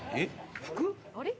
服？